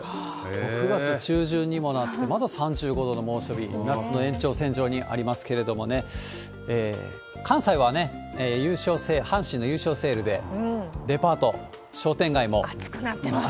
もう９月中旬にもなって、まだ３５度の猛暑日、夏の延長線上にありますけれどもね、関西はね、阪神の優勝セールでデパート、熱くなってますよ。